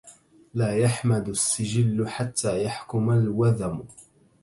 لا يحمد السجل حتى يحكم الوذم